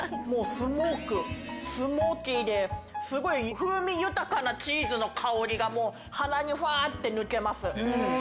スモークスモーキーですごい風味豊かなチーズの香りが鼻にフワって抜けます。